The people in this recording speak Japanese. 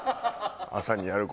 朝にやる事。